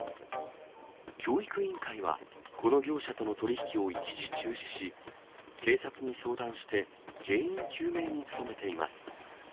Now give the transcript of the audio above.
教育委員会は、この業者との取り引きを一時中止し、警察に相談して、原因究明に努めています。